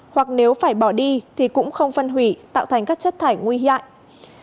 hoặc nếu phải bỏ đi thì cũng không phân hủy tạo thành các chất thải nguy hại